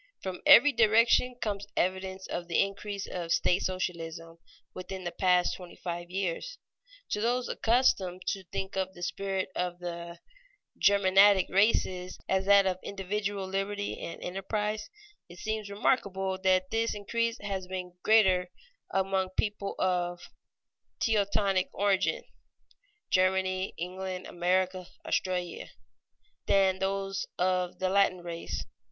From every direction comes evidence of the increase of state socialism within the past twenty five years. To those accustomed to think of the spirit of the Germanic races as that of individual liberty and enterprise, it seems remarkable that this increase has been greater among people of Teutonic origin (Germany, England, America, Australia) than among those of Latin race.